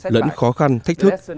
lẫn khó khăn thách thức